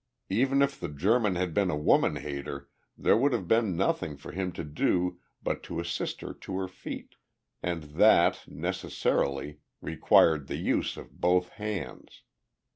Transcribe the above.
Even if the German had been a woman hater there would have been nothing for him to do but to assist her to her feet, and that, necessarily, required the use of both hands.